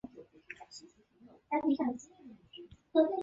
庄学和属毗陵庄氏第十二世。